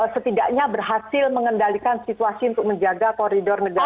setidaknya berhasil mengendalikan situasi untuk menjaga koridor negara